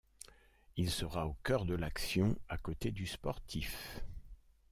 Il sera au cœur de l’action, à côté du sportif.